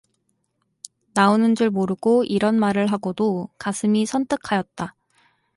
나오는 줄 모르고 이런 말을 하고도 가슴이 선뜩하였다.